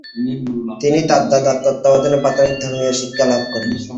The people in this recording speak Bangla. তিনি তার দাদার তত্ত্বাবধানে প্রাথমিক ধর্মীয় শিক্ষালাভ করেন।